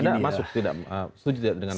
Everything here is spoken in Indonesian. anda masuk tidak setuju dengan